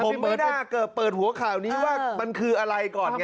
ผมเปิดหัวข่าวนี้ว่ามันคืออะไรก่อนไง